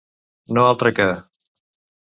No altre que.